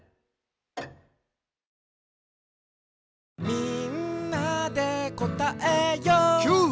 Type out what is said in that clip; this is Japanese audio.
「みんなでこたえよう」キュー！